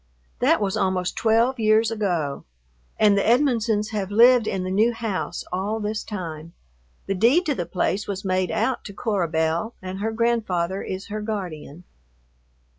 That was almost twelve years ago, and the Edmonsons have lived in the new house all this time. The deed to the place was made out to Cora Belle, and her grandfather is her guardian....